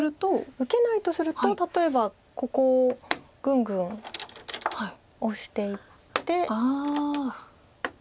受けないとすると例えばここをぐんぐんオシていって。